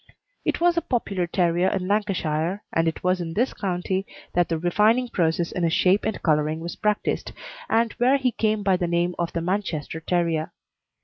It was a popular terrier in Lancashire, and it was in this county that the refining process in his shape and colouring was practised, and where he came by the name of the Manchester Terrier.